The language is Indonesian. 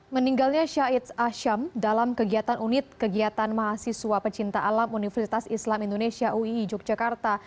meninggalnya syahid asyam dalam kegiatan unit kegiatan mahasiswa pecinta alam universitas islam indonesia uii yogyakarta